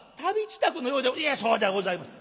「いやそうではございません。